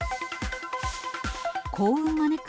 幸運招く？